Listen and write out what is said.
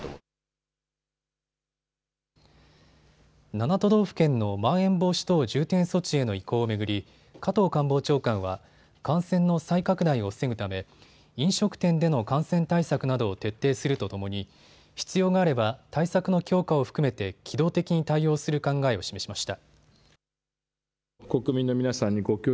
７都道府県のまん延防止等重点措置への移行を巡り、加藤官房長官は感染の再拡大を防ぐため飲食店での感染対策などを徹底するとともに必要があれば対策の強化を含めて機動的に対応する考えを示しました。